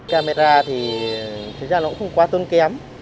camera thì thực ra nó cũng không quá tôn kém